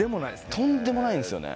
とんでもないんですよね。